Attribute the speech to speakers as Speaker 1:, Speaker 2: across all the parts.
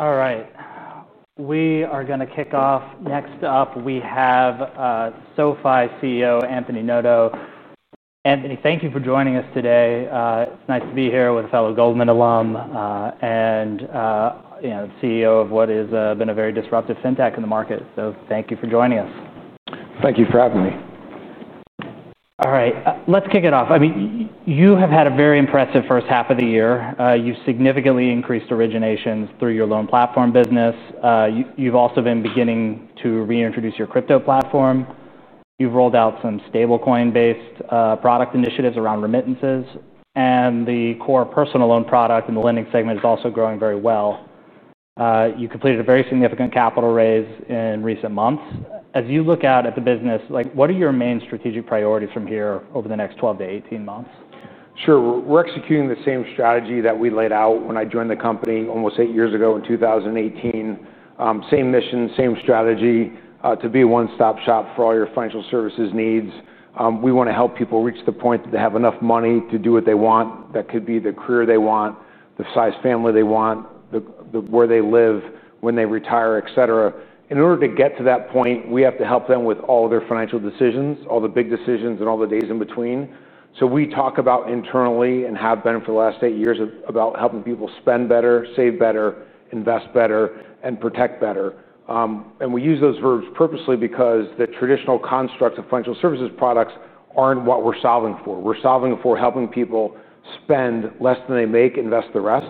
Speaker 1: All right. We are going to kick off. Next up, we have SoFi CEO Anthony Noto. Anthony, thank you for joining us today. It's nice to be here with a fellow Goldman alum and, you know, the CEO of what has been a very disruptive fintech in the market. Thank you for joining us.
Speaker 2: Thank you for having me.
Speaker 1: All right. Let's kick it off. I mean, you have had a very impressive first half of the year. You've significantly increased originations through your loan platform business. You've also been beginning to reintroduce your crypto platform. You've rolled out some stablecoin-based product initiatives around remittances, and the core personal loan product in the lending segment is also growing very well. You completed a very significant capital raise in recent months. As you look out at the business, what are your main strategic priorities from here over the next 12 to 18 months?
Speaker 2: Sure. We're executing the same strategy that we laid out when I joined the company almost eight years ago in 2018. Same mission, same strategy to be a one-stop shop for all your financial services needs. We want to help people reach the point that they have enough money to do what they want. That could be the career they want, the size family they want, where they live, when they retire, et c. In order to get to that point, we have to help them with all of their financial decisions, all the big decisions, and all the days in between. We talk about internally and have been for the last eight years about helping people spend better, save better, invest better, and protect better. We use those verbs purposely because the traditional constructs of financial services products aren't what we're solving for. We're solving for helping people spend less than they make and invest the rest.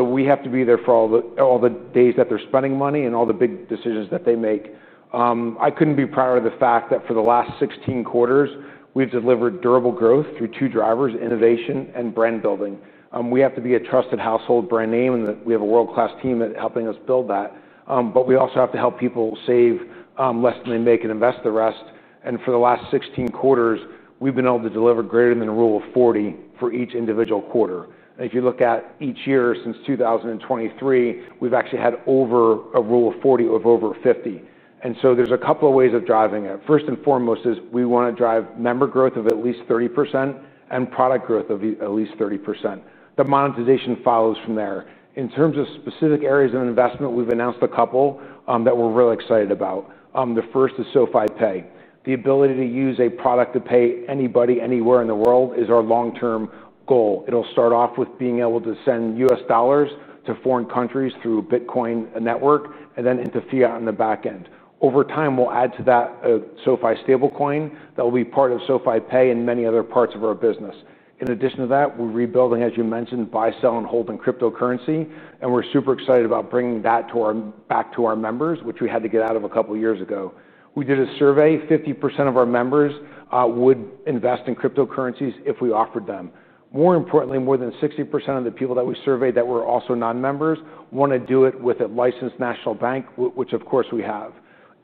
Speaker 2: We have to be there for all the days that they're spending money and all the big decisions that they make. I couldn't be prouder of the fact that for the last 16 quarters, we've delivered durable growth through two drivers: innovation and brand building. We have to be a trusted household brand name, and we have a world-class team helping us build that. We also have to help people save less than they make and invest the rest. For the last 16 quarters, we've been able to deliver greater than a rule of 40 for each individual quarter. If you look at each year since 2023, we've actually had over a rule of 40 of over 50. There are a couple of ways of driving it. First and foremost is we want to drive member growth of at least 30% and product growth of at least 30%. The monetization follows from there. In terms of specific areas of investment, we've announced a couple that we're really excited about. The first is SoFi Pay. The ability to use a product to pay anybody anywhere in the world is our long-term goal. It'll start off with being able to send U.S. dollars to foreign countries through a Bitcoin network and then into fiat on the back end. Over time, we'll add to that a SoFi stablecoin that will be part of SoFi Pay and many other parts of our business. In addition to that, we're rebuilding, as you mentioned, buy, sell, and hold in cryptocurrency. We're super excited about bringing that back to our members, which we had to get out of a couple of years ago. We did a survey. 50% of our members would invest in cryptocurrencies if we offered them. More importantly, more than 60% of the people that we surveyed that were also non-members want to do it with a licensed national bank, which of course we have.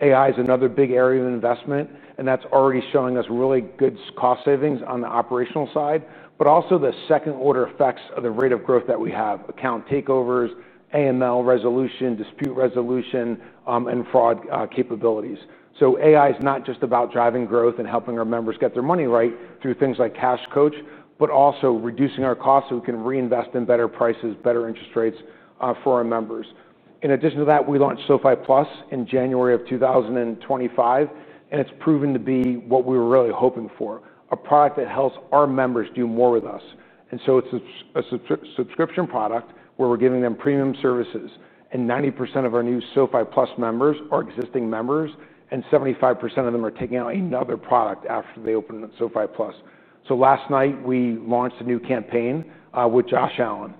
Speaker 2: AI is another big area of investment, and that's already showing us really good cost savings on the operational side, but also the second-order effects of the rate of growth that we have: account takeovers, AML resolution, dispute resolution, and fraud capabilities. AI is not just about driving growth and helping our members get their money right through things like Cash Coach, but also reducing our costs so we can reinvest in better prices, better interest rates for our members. In addition to that, we launched SoFi Plus in January of 2025, and it's proven to be what we were really hoping for, a product that helps our members do more with us. It's a subscription product where we're giving them premium services. 90% of our new SoFi Plus members are existing members, and 75% of them are taking out another product after they open SoFi Plus. Last night, we launched a new campaign with Josh Allen.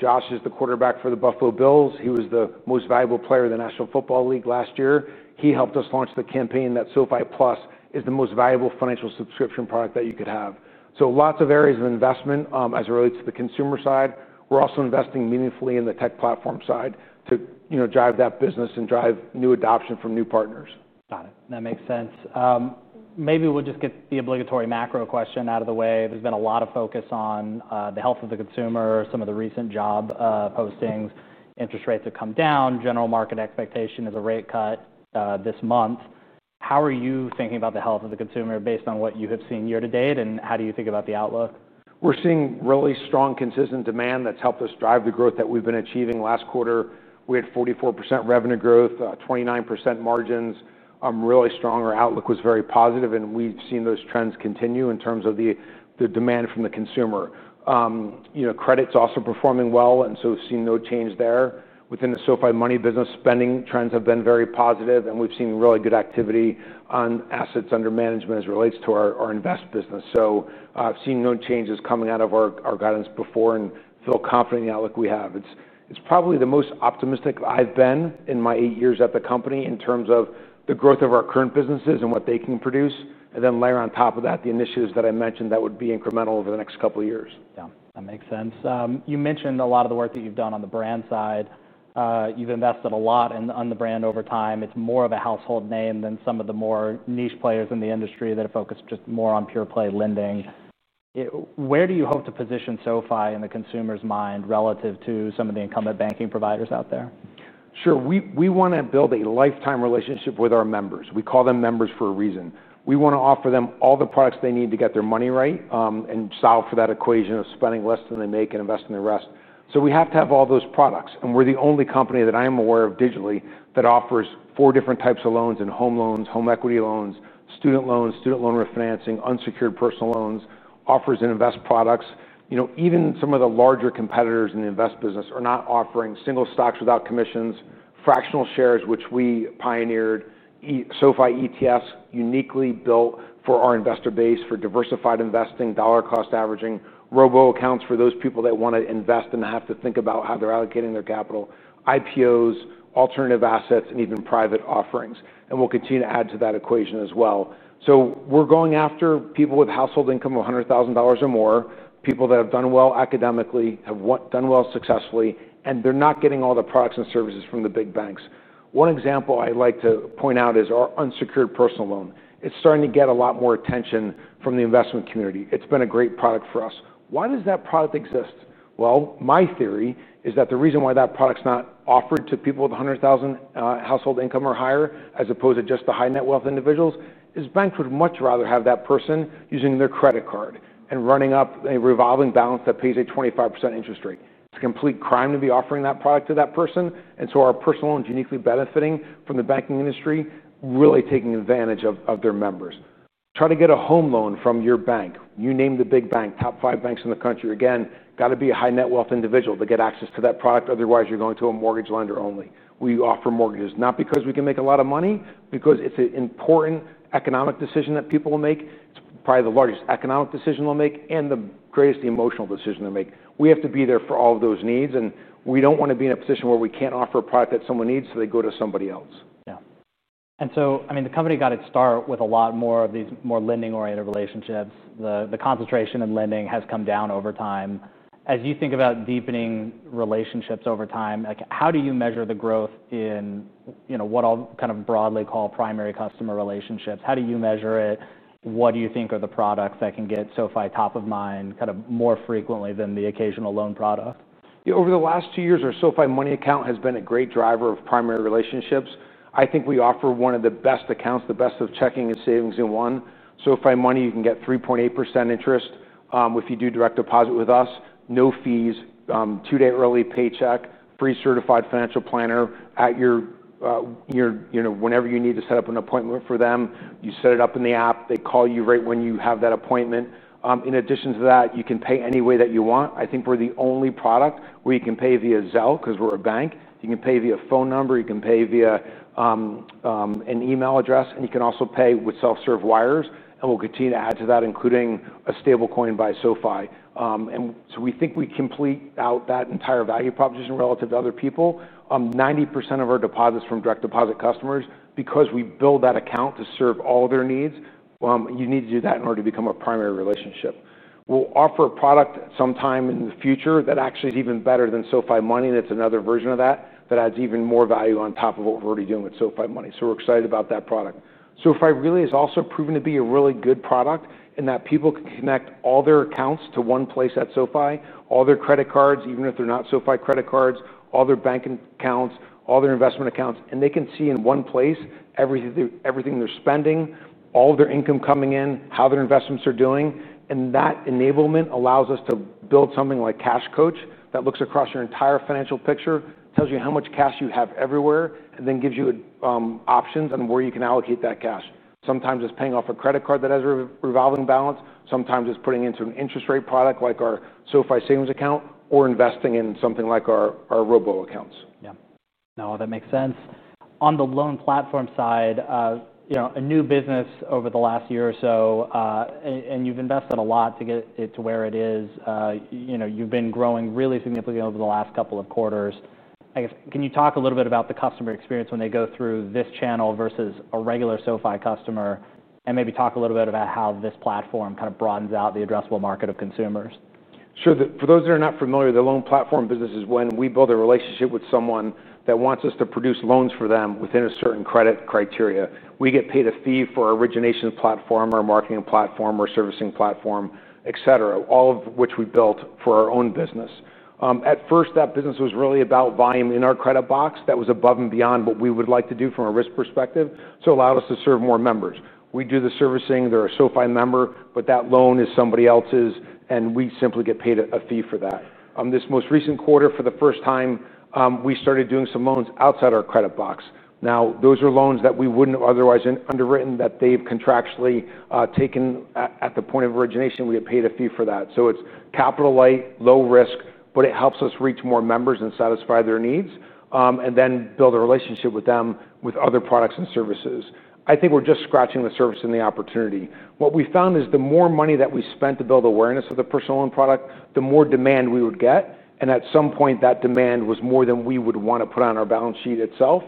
Speaker 2: Josh is the quarterback for the Buffalo Bills. He was the most valuable player in the National Football League last year. He helped us launch the campaign that SoFi Plus is the most valuable financial subscription product that you could have. There are lots of areas of investment as it relates to the consumer side. We're also investing meaningfully in the tech platform side to drive that business and drive new adoption from new partners.
Speaker 1: Got it. That makes sense. Maybe we'll just get the obligatory macro question out of the way. There's been a lot of focus on the health of the consumer, some of the recent job postings. Interest rates have come down. General market expectation is a rate cut this month. How are you thinking about the health of the consumer based on what you have seen year to date, and how do you think about the outlook?
Speaker 2: We're seeing really strong, consistent demand that's helped us drive the growth that we've been achieving last quarter. We had 44% revenue growth, 29% margins. Really strong. Our outlook was very positive, and we've seen those trends continue in terms of the demand from the consumer. Credit is also performing well, and we've seen no change there. Within the SoFi Money business, spending trends have been very positive, and we've seen really good activity on assets under management as it relates to our investment business. I've seen no changes coming out of our guidance before and feel confident in the outlook we have. It's probably the most optimistic I've been in my eight years at the company in terms of the growth of our current businesses and what they can produce. Then layer on top of that, the initiatives that I mentioned that would be incremental over the next couple of years.
Speaker 1: Yeah, that makes sense. You mentioned a lot of the work that you've done on the brand side. You've invested a lot in the brand over time. It's more of a household name than some of the more niche players in the industry that focus just more on pure play lending. Where do you hope to position SoFi in the consumer's mind relative to some of the incumbent banking providers out there?
Speaker 2: Sure. We want to build a lifetime relationship with our members. We call them members for a reason. We want to offer them all the products they need to get their money right and solve for that equation of spending less than they make and investing the rest. We have to have all those products. We're the only company that I'm aware of digitally that offers four different types of loans: home loans, home equity loans, student loans, student loan refinancing, unsecured personal loans, offers and invest products. Even some of the larger competitors in the investment business are not offering single stocks without commissions, fractional shares, which we pioneered, SoFi ETFs uniquely built for our investor base for diversified investing, dollar cost averaging, robo accounts for those people that want to invest and have to think about how they're allocating their capital, IPOs, alternative assets, and even private offerings. We'll continue to add to that equation as well. We're going after people with household income of $100,000 or more, people that have done well academically, have done well successfully, and they're not getting all the products and services from the big banks. One example I'd like to point out is our unsecured personal loan. It's starting to get a lot more attention from the investment community. It's been a great product for us. Why does that product exist? My theory is that the reason why that product is not offered to people with $100,000 household income or higher, as opposed to just the high net wealth individuals, is banks would much rather have that person using their credit card and running up a revolving balance that pays a 25% interest rate. It's a complete crime to be offering that product to that person. Our personal loan is uniquely benefiting from the banking industry really taking advantage of their members. Try to get a home loan from your bank. You name the big bank, top five banks in the country. Got to be a high net wealth individual to get access to that product. Otherwise, you're going to a mortgage lender only. We offer mortgages not because we can make a lot of money, because it's an important economic decision that people will make. It's probably the largest economic decision they'll make and the greatest emotional decision they make. We have to be there for all of those needs, and we don't want to be in a position where we can't offer a product that someone needs, so they go to somebody else.
Speaker 1: Yeah. The company got its start with a lot more of these more lending-oriented relationships. The concentration in lending has come down over time. As you think about deepening relationships over time, how do you measure the growth in what I'll kind of broadly call primary customer relationships? How do you measure it? What do you think are the products that can get SoFi top of mind more frequently than the occasional loan product?
Speaker 2: Over the last two years, our SoFi Money account has been a great driver of primary relationships. I think we offer one of the best accounts, the best of checking and savings in one. SoFi Money, you can get 3.8% interest if you do direct deposit with us, no fees, two-day early paycheck, free certified financial planner at your, you know, whenever you need to set up an appointment for them. You set it up in the app. They call you right when you have that appointment. In addition to that, you can pay any way that you want. I think we're the only product where you can pay via Zelle because we're a bank. You can pay via phone number. You can pay via an e-mail address. You can also pay with self-serve wires. We'll continue to add to that, including a stablecoin by SoFi. We think we complete out that entire value proposition relative to other people. 90% of our deposits from direct deposit customers, because we build that account to serve all their needs, you need to do that in order to become a primary relationship. We'll offer a product sometime in the future that actually is even better than SoFi Money. That's another version of that that adds even more value on top of what we're already doing with SoFi Money. We're excited about that product. SoFi really has also proven to be a really good product in that people can connect all their accounts to one place at SoFi, all their credit cards, even if they're not SoFi credit cards, all their bank accounts, all their investment accounts. They can see in one place everything they're spending, all of their income coming in, how their investments are doing. That enablement allows us to build something like Cash Coach that looks across your entire financial picture, tells you how much cash you have everywhere, and then gives you options on where you can allocate that cash. Sometimes it's paying off a credit card that has a revolving balance. Sometimes it's putting into an interest rate product like our SoFi savings account or investing in something like our robo accounts.
Speaker 1: Yeah. No, that makes sense. On the loan platform side, a new business over the last year or so, and you've invested a lot to get it to where it is. You've been growing really significantly over the last couple of quarters. I guess, can you talk a little bit about the customer experience when they go through this channel versus a regular SoFi customer, and maybe talk a little bit about how this platform kind of broadens out the addressable market of consumers?
Speaker 2: Sure. For those that are not familiar, the loan platform business is when we build a relationship with someone that wants us to produce loans for them within a certain credit criteria. We get paid a fee for our origination platform, our marketing platform, our servicing platform, etc., all of which we built for our own business. At first, that business was really about volume in our credit box that was above and beyond what we would like to do from a risk perspective. It allowed us to serve more members. We do the servicing. They're a SoFi member, but that loan is somebody else's, and we simply get paid a fee for that. This most recent quarter, for the first time, we started doing some loans outside our credit box. Those are loans that we wouldn't have otherwise underwritten that they've contractually taken at the point of origination. We get paid a fee for that. It is capital light, low risk, but it helps us reach more members and satisfy their needs and then build a relationship with them with other products and services. I think we're just scratching the surface in the opportunity. What we found is the more money that we spent to build awareness of the personal loan product, the more demand we would get. At some point, that demand was more than we would want to put on our balance sheet itself.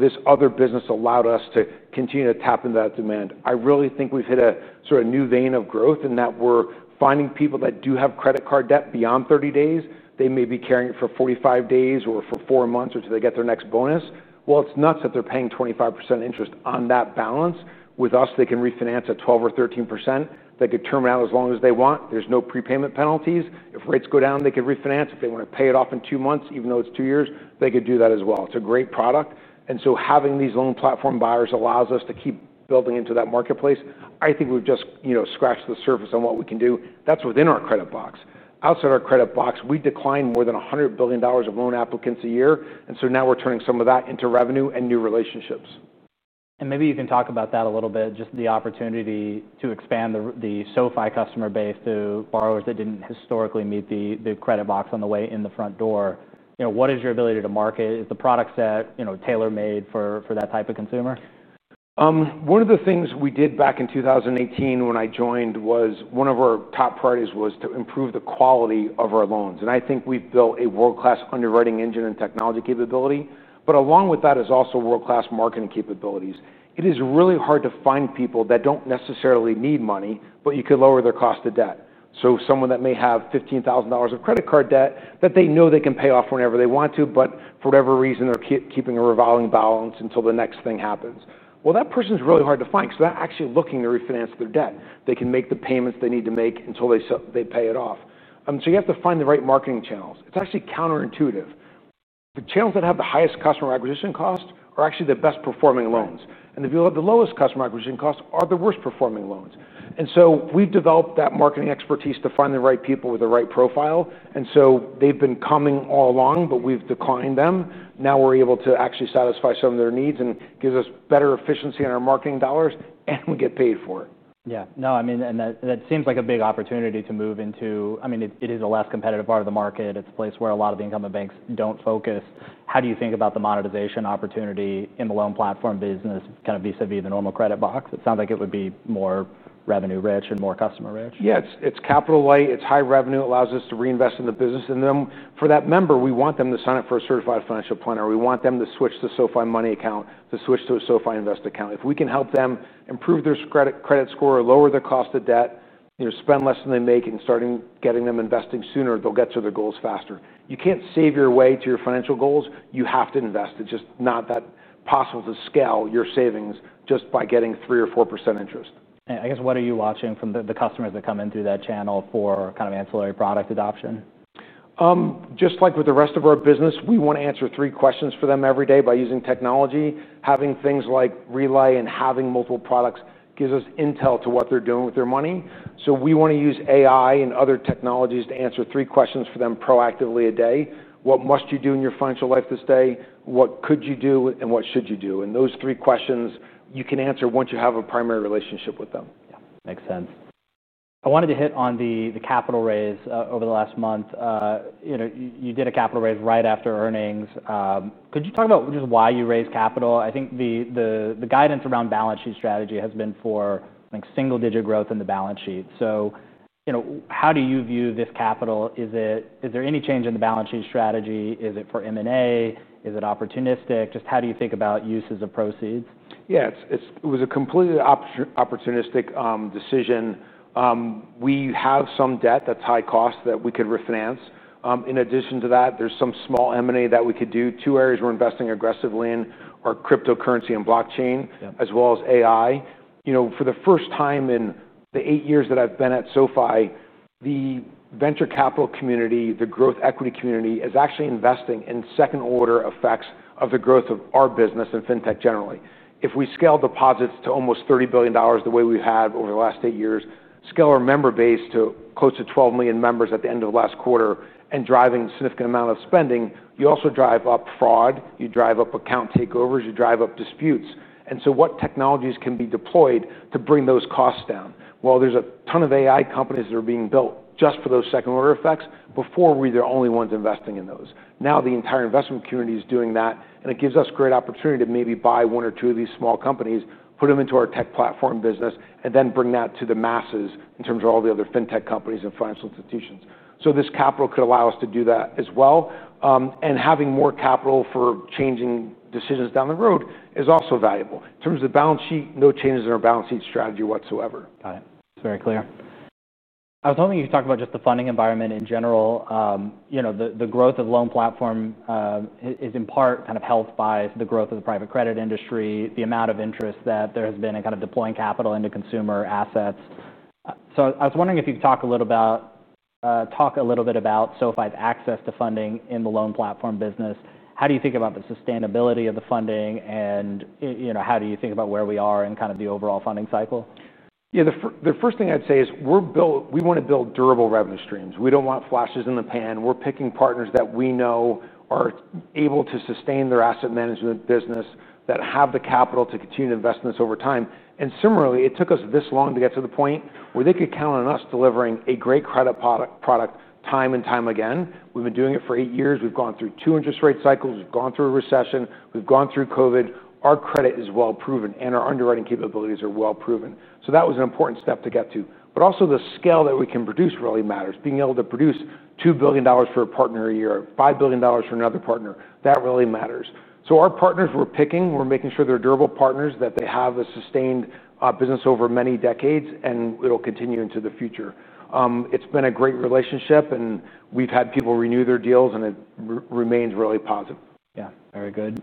Speaker 2: This other business allowed us to continue to tap into that demand. I really think we've hit a sort of new vein of growth in that we're finding people that do have credit card debt beyond 30 days. They may be carrying it for 45 days or for four months or until they get their next bonus. It is nuts that they're paying 25% interest on that balance. With us, they can refinance at 12% or 13%. They could term it out as long as they want. There's no prepayment penalties. If rates go down, they can refinance. If they want to pay it off in two months, even though it's two years, they could do that as well. It's a great product. Having these loan platform buyers allows us to keep building into that marketplace. I think we've just scratched the surface on what we can do. That's within our credit box. Outside our credit box, we decline more than $100 billion of loan applicants a year. Now we're turning some of that into revenue and new relationships.
Speaker 1: Maybe you can talk about that a little bit, just the opportunity to expand the SoFi customer base to borrowers that didn't historically meet the credit box on the way in the front door. What is your ability to market? Is the product set tailor-made for that type of consumer?
Speaker 2: One of the things we did back in 2018 when I joined was one of our top priorities was to improve the quality of our loans. I think we've built a world-class underwriting engine and technology capability. Along with that is also world-class marketing capabilities. It is really hard to find people that don't necessarily need money, but you could lower their cost of debt. Someone that may have $15,000 of credit card debt that they know they can pay off whenever they want to, but for whatever reason, they're keeping a revolving balance until the next thing happens. That person is really hard to find because they're actually looking to refinance their debt. They can make the payments they need to make until they pay it off. You have to find the right marketing channels. It's actually counterintuitive. The channels that have the highest customer acquisition cost are actually the best-performing loans. The lowest customer acquisition costs are the worst-performing loans. We've developed that marketing expertise to find the right people with the right profile. They've been coming all along, but we've declined them. Now we're able to actually satisfy some of their needs and give us better efficiency on our marketing dollars, and we get paid for it.
Speaker 1: Yeah. No, I mean, that seems like a big opportunity to move into. I mean, it is a less competitive part of the market. It's a place where a lot of the incumbent banks don't focus. How do you think about the monetization opportunity in the loan platform business kind of vis-à-vis the normal credit box? It sounds like it would be more revenue-rich and more customer-rich.
Speaker 2: Yeah, it's capital-light. It's high revenue. It allows us to reinvest in the business. For that member, we want them to sign up for a certified financial planner. We want them to switch to a SoFi Money account, to switch to a SoFi Invest account. If we can help them improve their credit score or lower their cost of debt, spend less than they make, and start getting them investing sooner, they'll get to their goals faster. You can't save your way to your financial goals. You have to invest. It's just not that possible to scale your savings just by getting 3% or 4% interest.
Speaker 1: I guess, what are you watching from the customers that come in through that channel for kind of ancillary product adoption?
Speaker 2: Just like with the rest of our business, we want to answer three questions for them every day by using technology. Having things like Relay and having multiple products gives us intel to what they're doing with their money. We want to use AI and other technologies to answer three questions for them proactively a day. What must you do in your financial life this day? What could you do? What should you do? Those three questions you can answer once you have a primary relationship with them.
Speaker 1: Yeah, makes sense. I wanted to hit on the capital raise over the last month. You did a capital raise right after earnings. Could you talk about just why you raised capital? I think the guidance around balance sheet strategy has been for single-digit growth in the balance sheet. How do you view this capital? Is there any change in the balance sheet strategy? Is it for M&A? Is it opportunistic? How do you think about uses of proceeds?
Speaker 2: Yeah, it was a completely opportunistic decision. We have some debt that's high cost that we could refinance. In addition to that, there's some small M&A that we could do. Two areas we're investing aggressively in are cryptocurrency and blockchain, as well as AI. For the first time in the eight years that I've been at SoFi, the venture capital community, the growth equity community, is actually investing in second-order effects of the growth of our business and fintech generally. If we scale deposits to almost $30 billion the way we had over the last eight years, scale our member base to close to 12 million members at the end of last quarter, and driving a significant amount of spending, you also drive up fraud, you drive up account takeovers, you drive up disputes. What technologies can be deployed to bring those costs down? There's a ton of AI companies that are being built just for those second-order effects. Before, we were the only ones investing in those. Now the entire investment community is doing that, and it gives us great opportunity to maybe buy one or two of these small companies, put them into our tech platform business, and then bring that to the masses in terms of all the other fintech companies and financial institutions. This capital could allow us to do that as well. Having more capital for changing decisions down the road is also valuable. In terms of the balance sheet, no changes in our balance sheet strategy whatsoever.
Speaker 1: Got it. That's very clear. I was hoping you could talk about just the funding environment in general. You know, the growth of loan platform is in part kind of helped by the growth of the private credit industry, the amount of interest that there has been in kind of deploying capital into consumer assets. I was wondering if you could talk a little bit about SoFi's access to funding in the loan platform business. How do you think about the sustainability of the funding? How do you think about where we are in kind of the overall funding cycle?
Speaker 2: The first thing I'd say is we want to build durable revenue streams. We don't want flashes in the pan. We're picking partners that we know are able to sustain their asset management business, that have the capital to continue to invest in this over time. Similarly, it took us this long to get to the point where they could count on us delivering a great credit product time and time again. We've been doing it for eight years. We've gone through two interest rate cycles. We've gone through a recession. We've gone through COVID. Our credit is well proven, and our underwriting capabilities are well proven. That was an important step to get to. Also, the scale that we can produce really matters. Being able to produce $2 billion for a partner a year, $5 billion for another partner, that really matters. Our partners we're picking, we're making sure they're durable partners, that they have a sustained business over many decades, and it'll continue into the future. It's been a great relationship, and we've had people renew their deals, and it remains really positive.
Speaker 1: Very good.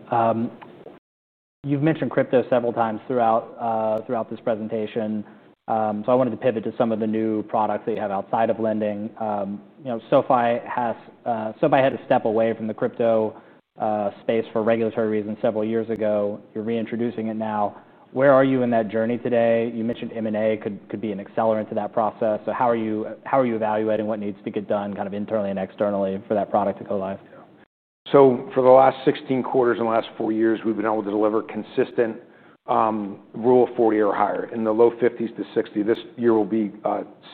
Speaker 1: You've mentioned crypto several times throughout this presentation. I wanted to pivot to some of the new products that you have outside of lending. SoFi had to step away from the crypto space for regulatory reasons several years ago. You're reintroducing it now. Where are you in that journey today? You mentioned M&A could be an accelerant to that process. How are you evaluating what needs to get done kind of internally and externally for that product to go live too?
Speaker 2: For the last 16 quarters in the last four years, we've been able to deliver consistent Rule of 40% or higher in the low 50%-60%. This year will be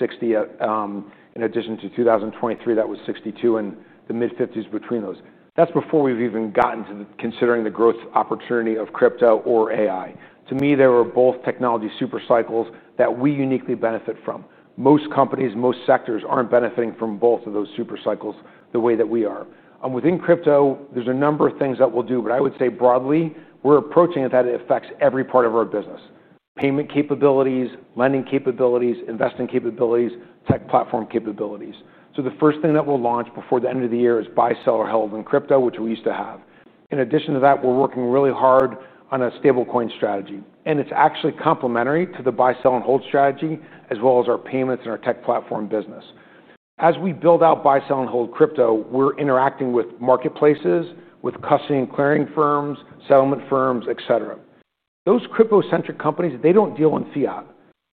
Speaker 2: 60%. In addition to 2023, that was 62% and the mid-50% between those. That's before we've even gotten to considering the growth opportunity of crypto or AI. To me, there are both technology supercycles that we uniquely benefit from. Most companies, most sectors aren't benefiting from both of those supercycles the way that we are. Within crypto, there's a number of things that we'll do, but I would say broadly, we're approaching it that it affects every part of our business: payment capabilities, lending capabilities, investing capabilities, tech platform capabilities. The first thing that we'll launch before the end of the year is buy, sell, or hold in crypto, which we used to have. In addition to that, we're working really hard on a stablecoin strategy. It's actually complementary to the buy, sell, and hold strategy, as well as our payments and our tech platform business. As we build out buy, sell, and hold crypto, we're interacting with marketplaces, with custody and clearing firms, settlement firms, et c. Those crypto-centric companies, they don't deal in fiat.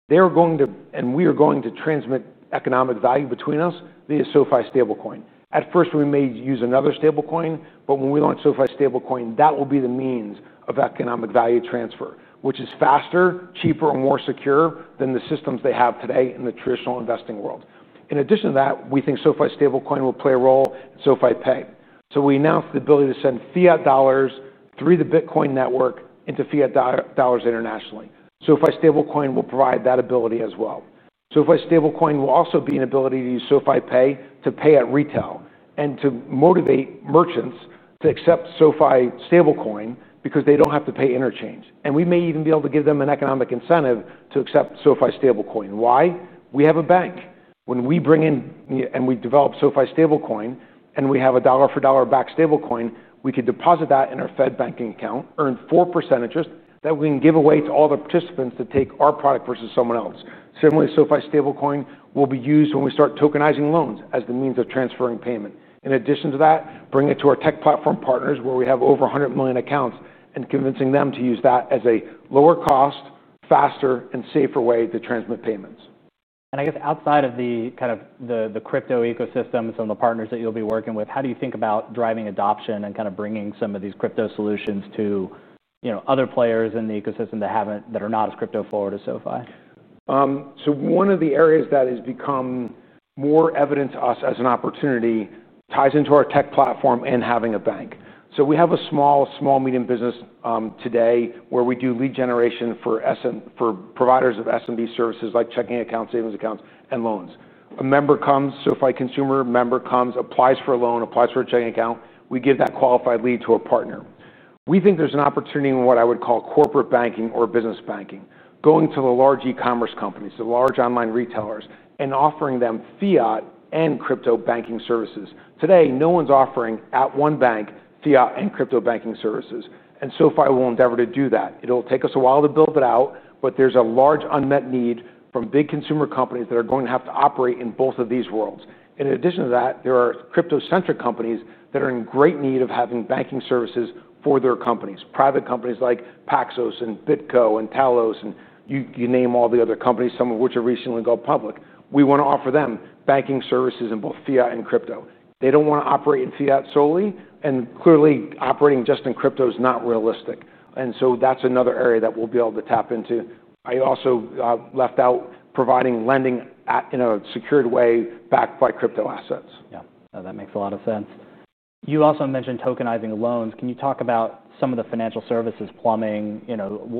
Speaker 2: They are going to, and we are going to transmit economic value between us via SoFi stablecoin. At first, we may use another stablecoin, but when we launch SoFi stablecoin, that will be the means of economic value transfer, which is faster, cheaper, and more secure than the systems they have today in the traditional investing world. In addition to that, we think SoFi stablecoin will play a role in SoFi Pay. We announced the ability to send fiat dollars through the Bitcoin network into fiat dollars internationally. SoFi stablecoin will provide that ability as well. SoFi stablecoin will also be an ability to use SoFi Pay to pay at retail and to motivate merchants to accept SoFi stablecoin because they don't have to pay interchange. We may even be able to give them an economic incentive to accept SoFi stablecoin. Why? We have a bank. When we bring in and we develop SoFi stablecoin and we have a dollar-for-dollar backed stablecoin, we could deposit that in our Fed banking account, earn 4% interest that we can give away to all the participants that take our product versus someone else. Certainly, SoFi stablecoin will be used when we start tokenizing loans as the means of transferring payment. In addition to that, bring it to our tech platform partners where we have over 100 million accounts and convincing them to use that as a lower cost, faster, and safer way to transmit payments.
Speaker 1: Outside of the kind of the crypto ecosystems and the partners that you'll be working with, how do you think about driving adoption and bringing some of these crypto solutions to other players in the ecosystem that are not as crypto-forward as SoFi?
Speaker 2: One of the areas that has become more evident to us as an opportunity ties into our tech platform and having a bank. We have a small, small medium business today where we do lead generation for providers of SMB services like checking accounts, savings accounts, and loans. A member comes, SoFi consumer, member comes, applies for a loan, applies for a checking account. We give that qualified lead to a partner. We think there's an opportunity in what I would call corporate banking or business banking, going to the large e-commerce companies, the large online retailers, and offering them fiat and crypto banking services. Today, no one's offering at one bank fiat and crypto banking services. SoFi will endeavor to do that. It'll take us a while to build it out, but there's a large unmet need from big consumer companies that are going to have to operate in both of these worlds. In addition to that, there are crypto-centric companies that are in great need of having banking services for their companies, private companies like Paxos and BitGo and Talos, and you name all the other companies, some of which are recently go public. We want to offer them banking services in both fiat and crypto. They don't want to operate in fiat solely, and clearly operating just in crypto is not realistic. That's another area that we'll be able to tap into. I also left out providing lending in a secured way backed by crypto assets.
Speaker 1: Yeah, that makes a lot of sense. You also mentioned tokenizing loans. Can you talk about some of the financial services plumbing?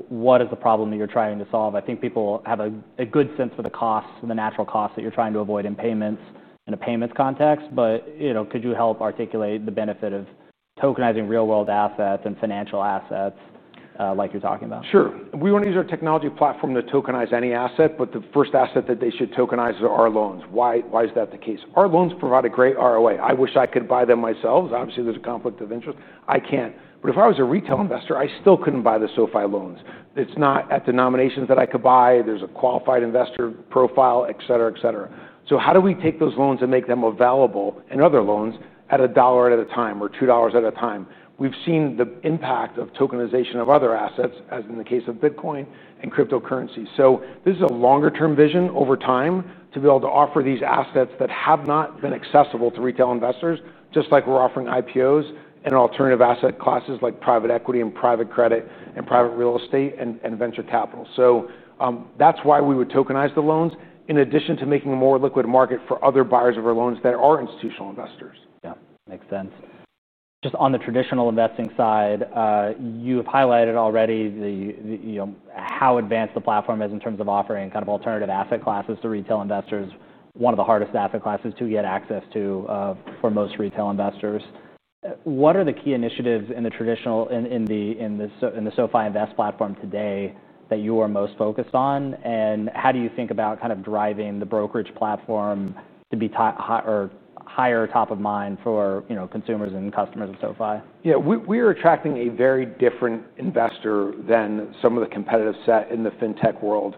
Speaker 1: What is the problem that you're trying to solve? I think people have a good sense for the costs, the natural costs that you're trying to avoid in payments and a payments context. Could you help articulate the benefit of tokenizing real-world assets and financial assets like you're talking about?
Speaker 2: Sure. We want to use our technology platform to tokenize any asset, but the first asset that they should tokenize are loans. Why is that the case? Our loans provide a great ROI. I wish I could buy them myself. Obviously, there's a conflict of interest. I can't. If I was a retail investor, I still couldn't buy the SoFi loans. It's not at denominations that I could buy. There's a qualified investor profile, et c . How do we take those loans and make them available and other loans at $1 at a time or $2 at a time? We've seen the impact of tokenization of other assets, as in the case of Bitcoin and cryptocurrency. This is a longer term vision over time to be able to offer these assets that have not been accessible to retail investors, just like we're offering IPOs and alternative asset classes like private equity and private credit and private real estate and venture capital. That is why we would tokenize the loans in addition to making a more liquid market for other buyers of our loans that are institutional investors.
Speaker 1: Yeah, makes sense. Just on the traditional investing side, you've highlighted already how advanced the platform is in terms of offering kind of alternative asset classes to retail investors, one of the hardest asset classes to get access to for most retail investors. What are the key initiatives in the traditional, in the SoFi Invest platform today that you are most focused on? How do you think about kind of driving the brokerage platform to be higher top of mind for consumers and customers of SoFi?
Speaker 2: Yeah, we are attracting a very different investor than some of the competitive set in the fintech world.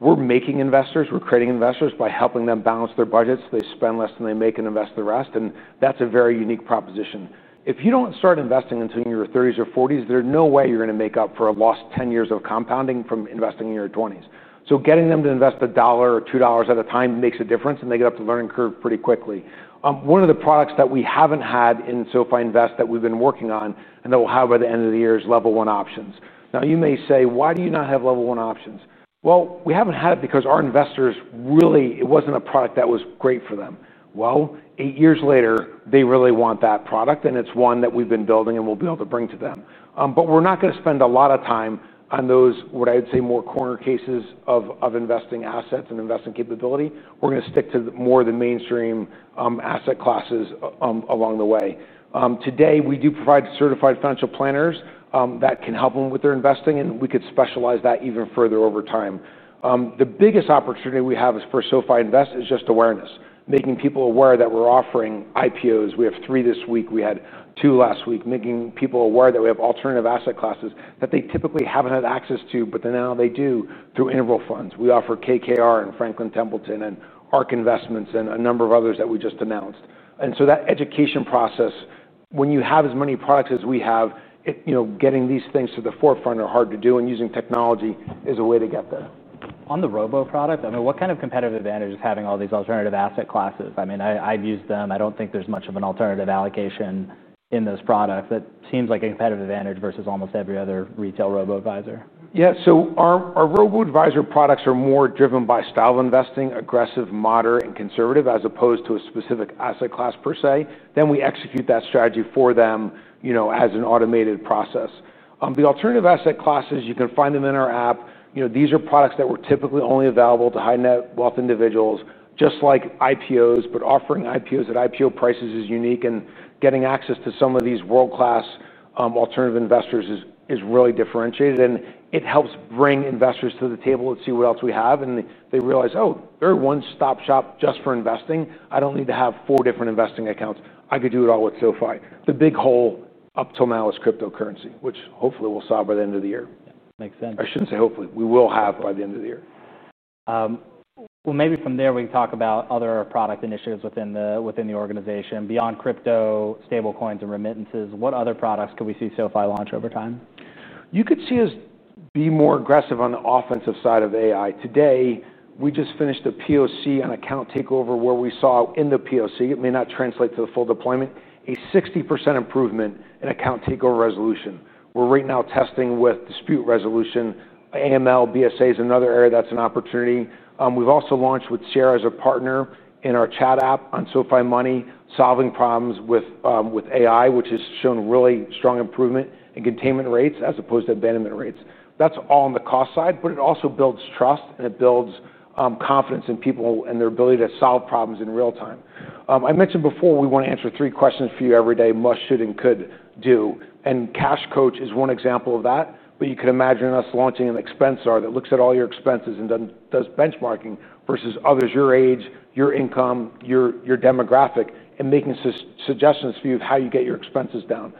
Speaker 2: We're making investors, we're creating investors by helping them balance their budgets so they spend less than they make and invest the rest. That's a very unique proposition. If you don't start investing until you're in your 30s or 40s, there's no way you're going to make up for a lost 10 years of compounding from investing in your 20s. Getting them to invest a dollar or $2 at a time makes a difference, and they get up the learning curve pretty quickly. One of the products that we haven't had in SoFi Invest that we've been working on and that we'll have by the end of the year is level one options. You may say, why do you not have level one options? We haven't had it because our investors really, it wasn't a product that was great for them. Eight years later, they really want that product, and it's one that we've been building and we'll be able to bring to them. We're not going to spend a lot of time on those, what I would say, more corner cases of investing assets and investing capability. We're going to stick to more of the mainstream asset classes along the way. Today, we do provide certified financial planners that can help them with their investing, and we could specialize that even further over time. The biggest opportunity we have for SoFi Invest is just awareness, making people aware that we're offering IPOs. We have three this week. We had two last week, making people aware that we have alternative asset classes that they typically haven't had access to, but now they do through interval funds. We offer KKR and Franklin Templeton and ARK Investments and a number of others that we just announced. That education process, when you have as many products as we have, getting these things to the forefront are hard to do, and using technology is a way to get there.
Speaker 1: On the robo product, I mean, what kind of competitive advantage is having all these alternative asset classes? I mean, I've used them. I don't think there's much of an alternative allocation in this product. That seems like a competitive advantage versus almost every other retail robo advisor.
Speaker 2: Yeah, so our robo advisor products are more driven by style of investing, aggressive, moderate, and conservative, as opposed to a specific asset class per se. We execute that strategy for them as an automated process. The alternative asset classes, you can find them in our app. These are products that were typically only available to high net wealth individuals, just like IPOs, but offering IPOs at IPO prices is unique, and getting access to some of these world-class alternative investors is really differentiated. It helps bring investors to the table to see what else we have, and they realize, oh, they're a one-stop shop just for investing. I don't need to have four different investing accounts. I could do it all with SoFi. The big hole up till now is cryptocurrency, which hopefully we'll solve by the end of the year.
Speaker 1: Yeah, makes sense.
Speaker 2: I shouldn't say hopefully, we will have by the end of the year.
Speaker 1: Maybe from there, we can talk about other product initiatives within the organization. Beyond crypto, stablecoins, and remittances, what other products could we see SoFi launch over time?
Speaker 2: You could see us be more aggressive on the offensive side of AI. Today, we just finished a POC on account takeover where we saw in the POC, it may not translate to the full deployment, a 60% improvement in account takeover resolution. We're right now testing with dispute resolution. AML, BSA is another area that's an opportunity. We've also launched with Sierra as a partner in our chat app on SoFi Money, solving problems with AI, which has shown really strong improvement in containment rates as opposed to abandonment rates. That's all on the cost side, but it also builds trust, and it builds confidence in people and their ability to solve problems in real time. I mentioned before we want to answer three questions for you every day: must, should, and could do. Cash Coach is one example of that. You can imagine us launching an expense star that looks at all your expenses and does benchmarking versus others, your age, your income, your demographic, and making suggestions for you of how you get your expenses down.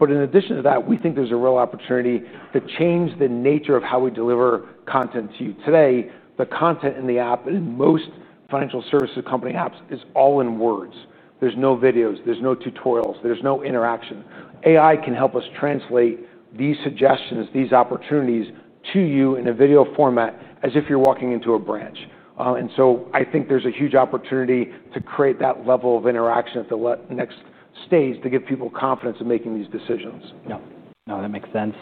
Speaker 2: In addition to that, we think there's a real opportunity to change the nature of how we deliver content to you. Today, the content in the app and in most financial services company apps is all in words. There's no videos. There's no tutorials. There's no interaction. AI can help us translate these suggestions, these opportunities to you in a video format as if you're walking into a branch. I think there's a huge opportunity to create that level of interaction at the next stage to give people confidence in making these decisions.
Speaker 1: Yeah, no, that makes sense.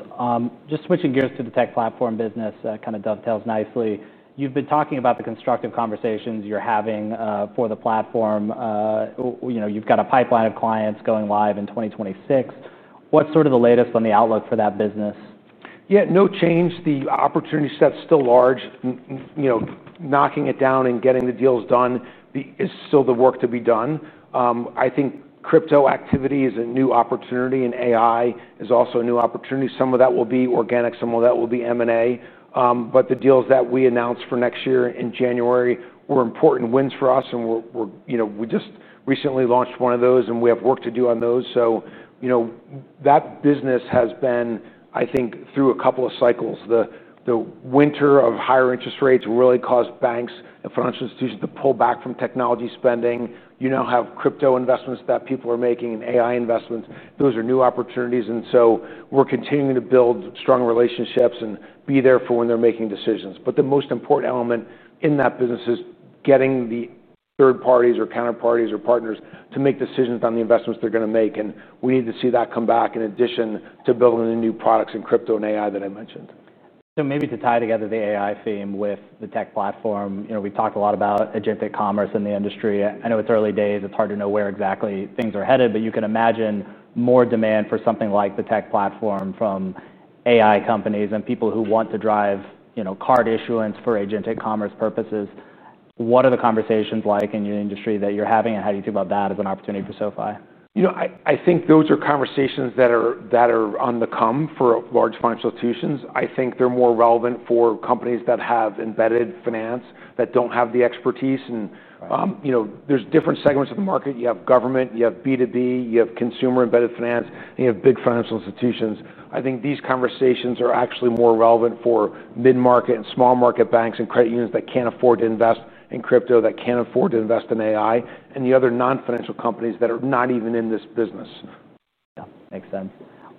Speaker 1: Just switching gears to the tech platform business kind of dovetails nicely. You've been talking about the constructive conversations you're having for the platform. You've got a pipeline of clients going live in 2026. What's sort of the latest on the outlook for that business?
Speaker 2: Yeah, no change. The opportunity set is still large. Knocking it down and getting the deals done is still the work to be done. I think crypto activity is a new opportunity, and AI is also a new opportunity. Some of that will be organic. Some of that will be M&A. The deals that we announced for next year in January were important wins for us, and we just recently launched one of those, and we have work to do on those. That business has been, I think, through a couple of cycles. The winter of higher interest rates really caused banks and financial institutions to pull back from technology spending. You now have crypto investments that people are making and AI investments. Those are new opportunities. We are continuing to build strong relationships and be there for when they're making decisions. The most important element in that business is getting the third parties or counterparties or partners to make decisions on the investments they're going to make. We need to see that come back in addition to building the new products in crypto and AI that I mentioned.
Speaker 1: Maybe to tie together the AI theme with the tech platform, we've talked a lot about agentic commerce in the industry. I know it's early days. It's hard to know where exactly things are headed, but you can imagine more demand for something like the tech platform from AI companies and people who want to drive card issuance for agentic commerce purposes. What are the conversations like in your industry that you're having? How do you think about that as an opportunity for SoFi?
Speaker 2: I think those are conversations that are on the come for large financial institutions. I think they're more relevant for companies that have embedded finance that don't have the expertise. There are different segments of the market. You have government, you have B2B, you have consumer embedded finance, and you have big financial institutions. I think these conversations are actually more relevant for mid-market and small market banks and credit unions that can't afford to invest in crypto, that can't afford to invest in AI, and the other non-financial companies that are not even in this business.
Speaker 1: Yeah, makes sense.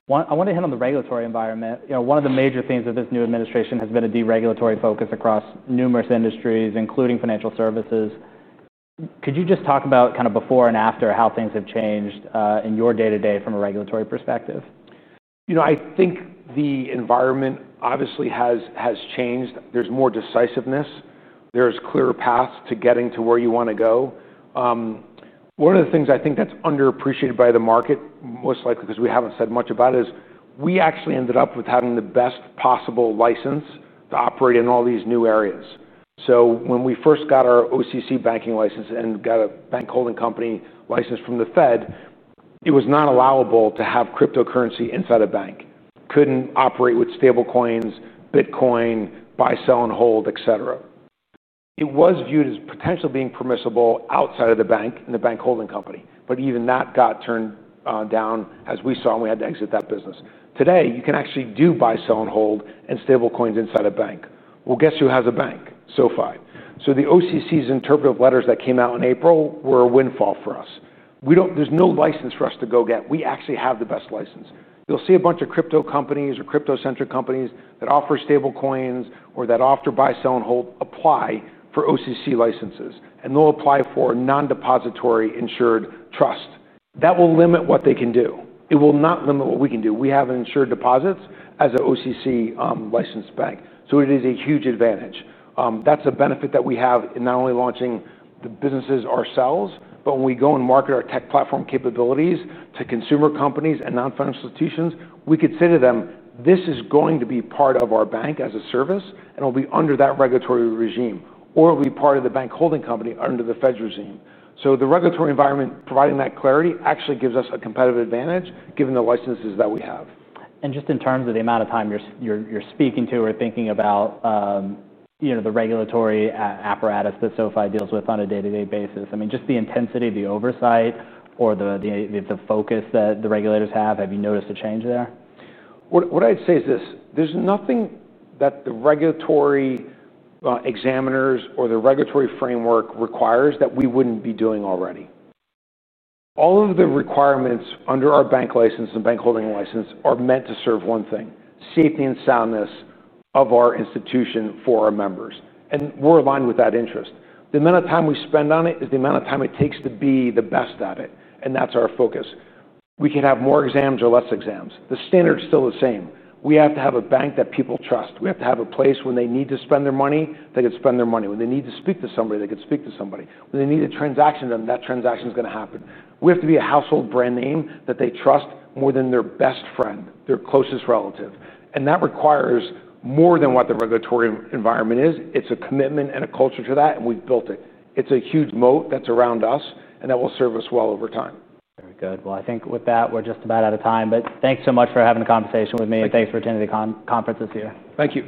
Speaker 1: I want to hit on the regulatory environment. You know, one of the major themes of this new administration has been a deregulatory focus across numerous industries, including financial services. Could you just talk about kind of before and after how things have changed in your day-to-day from a regulatory perspective?
Speaker 2: I think the environment obviously has changed. There's more decisiveness. There's clear paths to getting to where you want to go. One of the things I think that's underappreciated by the market, most likely because we haven't said much about it, is we actually ended up with having the best possible license to operate in all these new areas. When we first got our OCC banking license and got a bank holding company license from the Fed, it was not allowable to have cryptocurrency inside a bank. Couldn't operate with stablecoins, Bitcoin, buy, sell, and hold, etc . It was viewed as potentially being permissible outside of the bank and the bank holding company, but even that got turned down as we saw, and we had to exit that business. Today, you can actually do buy, sell, and hold in stablecoins inside a bank. Guess who has a bank? SoFi. The OCC's interpretive letters that came out in April were a windfall for us. There's no license for us to go get. We actually have the best license. You'll see a bunch of crypto companies or crypto-centric companies that offer stablecoins or that offer to buy, sell, and hold apply for OCC licenses, and they'll apply for non-depository insured trust. That will limit what they can do. It will not limit what we can do. We have insured deposits as an OCC- licensed bank. It is a huge advantage. That's a benefit that we have in not only launching the businesses ourselves, but when we go and market our tech platform capabilities to consumer companies and non-financial institutions, we could say to them, this is going to be part of our bank as a service, and it'll be under that regulatory regime, or it'll be part of the bank holding company under the Fed's regime. The regulatory environment providing that clarity actually gives us a competitive advantage given the licenses that we have.
Speaker 1: In terms of the amount of time you're speaking to or thinking about the regulatory apparatus that SoFi deals with on a day-to-day basis, the intensity of the oversight or the focus that the regulators have, have you noticed a change there?
Speaker 2: What I'd say is this: there's nothing that the regulatory examiners or the regulatory framework requires that we wouldn't be doing already. All of the requirements under our bank license and bank holding license are meant to serve one thing: safety and soundness of our institution for our members. We're aligned with that interest. The amount of time we spend on it is the amount of time it takes to be the best at it. That's our focus. We could have more exams or fewer exams. The standard is still the same. We have to have a bank that people trust. We have to have a place when they need to spend their money, they could spend their money. When they need to speak to somebody, they could speak to somebody. When they need a transaction, then that transaction is going to happen. We have to be a household brand name that they trust more than their best friend, their closest relative. That requires more than what the regulatory environment is. It's a commitment and a culture to that, and we've built it. It's a huge moat that's around us and that will serve us well over time.
Speaker 1: Very good. I think with that, we're just about out of time, but thanks so much for having the conversation with me, and thanks for attending the conference this year.
Speaker 2: Thank you.